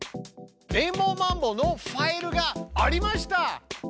レインボーマンボウのファイルがありました！